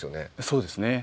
そうですね。